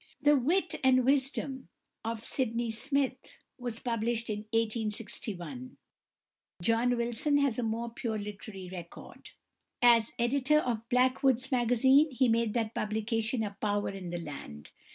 "The Wit and Wisdom of Sydney Smith" was published in 1861. =John Wilson (1785 1854)= has a more purely literary record. As editor of Blackwood's Magazine, he made that publication a power in the land.